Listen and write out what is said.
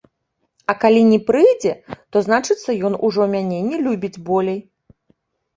А калі не прыйдзе, то, значыцца, ён ужо мяне не любіць болей.